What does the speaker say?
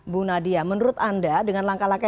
bu nadia menurut anda dengan langkah langkah